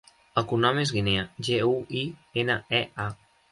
El cognom és Guinea: ge, u, i, ena, e, a.